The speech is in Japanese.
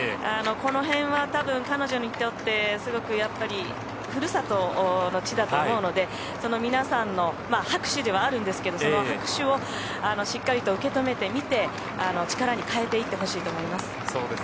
この辺はたぶん彼女にとってすごくやっぱりふるさとの地だと思うので皆さんの拍手ではあるんですけどその拍手をしっかりと受け止めて見て力に変えていってほしいと思います。